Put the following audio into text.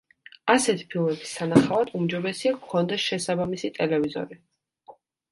ასეთი ფილმების სანახავად უმჯობესია გვქონდეს შესაბამისი ტელევიზორი.